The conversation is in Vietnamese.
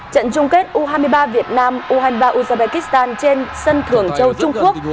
trận chung kết u hai mươi ba việt nam u hai mươi ba uzbekistan trên sân thường châu trung quốc